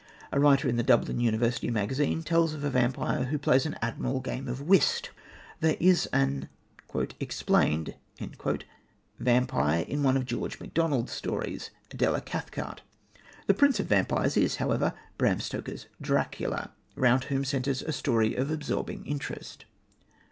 A writer in the Dublin University Magazine tells of a vampire who plays an admirable game of whist! There is an "explained" vampire in one of George Macdonald's stories, Adela Cathcart. The prince of vampires is, however, Bram Stoker's Dracula, round whom centres a story of absorbing interest.